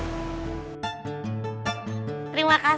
terima kasih kang